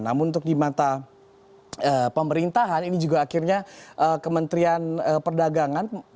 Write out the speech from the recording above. namun untuk di mata pemerintahan ini juga akhirnya kementerian perdagangan